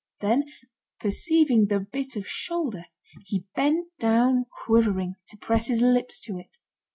Then, perceiving the bit of shoulder, he bent down quivering, to press his lips to it.